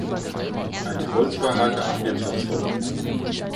Eine Holzbaracke am Wirtschaftshof.